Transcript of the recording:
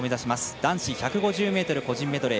男子１５０ｍ個人メドレー